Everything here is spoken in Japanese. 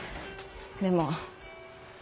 でも。